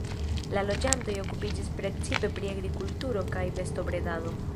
La loĝantoj okupiĝis precipe pri agrikulturo kaj bestobredadoj.